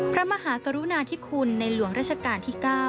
พระมหากรุณาธิคุณในหลวงราชการที่๙